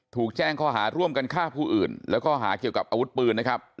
ถูกแจ้งข้อหาร่วมกันฆ่าผู้อื่นแล้วก็หาเกี่ยวกับอาวุธปืนนะครับ